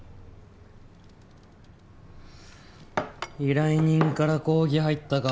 依頼人から抗議入ったか。